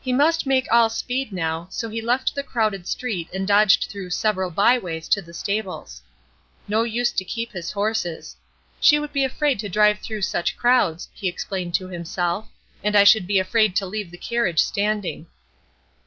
He must make all speed now, so he left the crowded street and dodged through several byways to the stables. No use to keep his horses. "She would be afraid to drive through such crowds," he explained to himself, "and I should be afraid to leave the carriage standing."